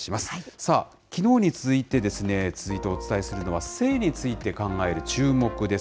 さあ、きのうに続いて、続いてお伝えするのは、性について考えるチューモク！です。